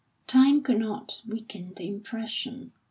Time could not weaken the impression.